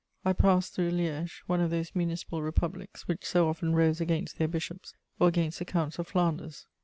I passed through Liège, one of those municipal republics which so often rose against their bishops or against the Counts of Flanders.